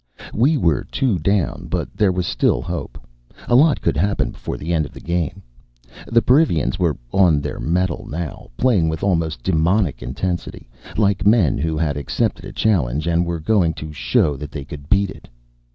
WE were two down, but there was still hope a lot could happen before the end of the game. The Perivians were on their mettle now, playing with almost demonic intensity, like men who had ac cepted a challenge and were go ing to show that they could beat it.